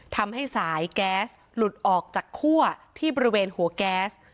ทำให้สายแก๊สหลุดออกจากคั่วที่บริเวณหัวแก๊ส